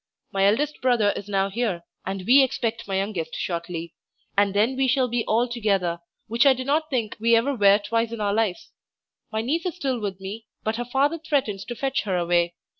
My eldest brother is now here, and we expect my youngest shortly, and then we shall be altogether, which I do not think we ever were twice in our lives. My niece is still with me, but her father threatens to fetch her away.